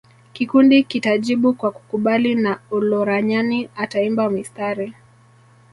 Kikundi kitajibu kwa kukubali na Olaranyani ataimba mistari